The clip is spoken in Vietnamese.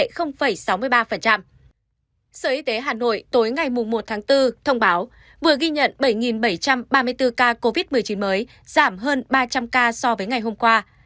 sở y tế hà nội tối ngày một tháng bốn thông báo vừa ghi nhận bảy bảy trăm ba mươi bốn ca covid một mươi chín mới giảm hơn ba trăm linh ca so với ngày hôm qua